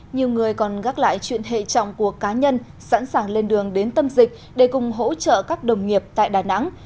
nhiều người còn gác lại chuyện hệ trọng của cá nhân sẵn sàng lên đường đến tâm dịch để cùng hỗ trợ các đồng nghiệp tại đà nẵng